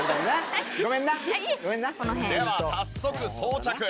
では早速装着。